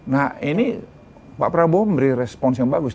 nah ini pak prabowo memberi respons yang bagus